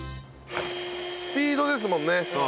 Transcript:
スピードですもんね。